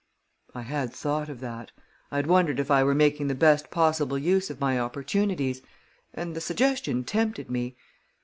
I had thought of that I had wondered if I were making the best possible use of my opportunities and the suggestion tempted me.